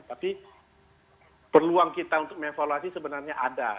tapi peluang kita untuk mengevaluasi sebenarnya ada